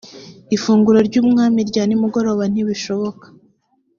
ifunguro ry umwami rya nimugoroba ntibishoboka